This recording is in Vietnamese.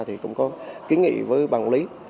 thì cũng có kiến nghị với bàn quốc lý